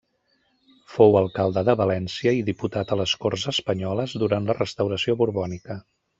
Fou alcalde de València i diputat a les Corts Espanyoles durant la restauració borbònica.